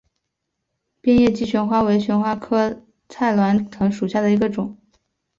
变叶姬旋花为旋花科菜栾藤属下的一个种。